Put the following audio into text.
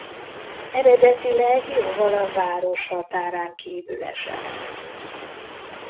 Eredetileg jóval a város határán kívül esett.